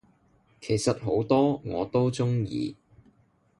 其實好多我都鍾意